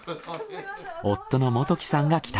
夫の元希さんが帰宅。